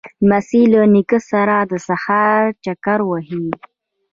لمسی له نیکه سره د سهار چکر وهي.